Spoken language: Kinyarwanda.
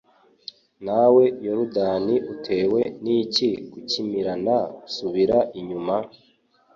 Nawe Yorudani utewe n’iki gukimirana usubira inyuma?